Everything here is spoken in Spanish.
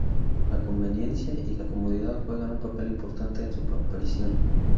La conveniencia y la comodidad juegan un papel importante en su aparición.